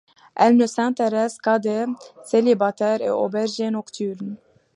Elle ne s'intéresse qu'à des célibataires et au berger nocturne.